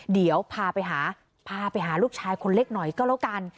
เดี๋ยวพาไปหาพาไปหาลูกชายคนเล็กหน่อยก็แล้วกัน